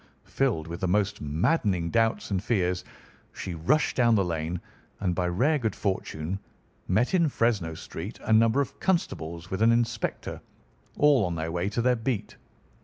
Filled with the most maddening doubts and fears, she rushed down the lane and, by rare good fortune, met in Fresno Street a number of constables with an inspector, all on their way to their beat.